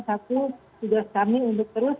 satu tugas kami untuk terus